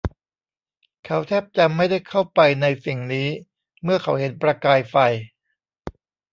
เขาแทบจะไม่ได้เข้าไปในสิ่งนี้เมื่อเขาเห็นประกายไฟ